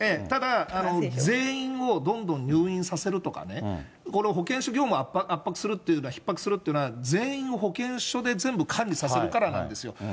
ただ、全員をどんどん入院させるとかね、これ、保健所業務を圧迫するというか、ひっ迫するっていうのは、全員を保健所で全部管理させるからなんですよ。